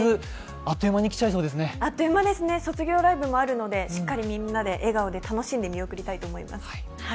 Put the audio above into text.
あっという間ですね、卒業ライブもあるので、みんなで笑顔で見送りたいと思います。